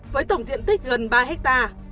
với tổng diện tích gần ba ha